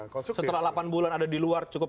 setelah delapan bulan ada di luar cukup